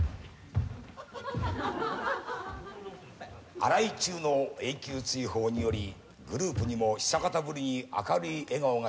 荒井注の永久追放によりグループにも久方ぶりに明るい笑顔が蘇りました。